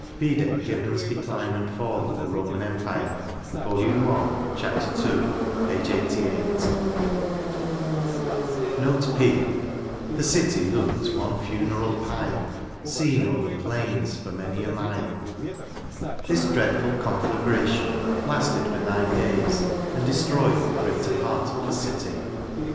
— (Vide Gibbon* 9 Decline and Fall of the Roman Engtire, vol. I. chap. II. page SSJ Note P. " 7^ cUy looked one fimeral pik. Seen o*er the plains for many a mile" This dreadful conflagration lasted for nine days, and destroyed the greater part of the city.